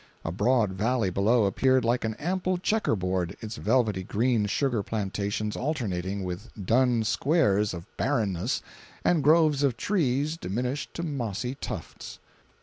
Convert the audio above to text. A broad valley below appeared like an ample checker board, its velvety green sugar plantations alternating with dun squares of barrenness and groves of trees diminished to mossy tufts.